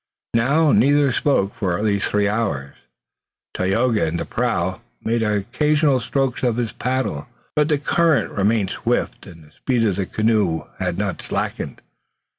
Now, neither spoke for at least three hours. Tayoga, in the prow, made occasional strokes of his paddle, but the current remained swift and the speed of the canoe was not slackened.